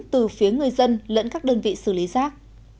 từ phía người dân lẫn các đơn vị xử lý rác